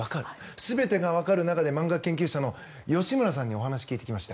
全てがわかる中で漫画研究者の吉村和真さんにお話を聞いてきました。